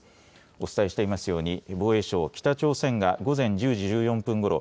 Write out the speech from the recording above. お伝えしていますように防衛省、北朝鮮が午前１０時１４分ごろ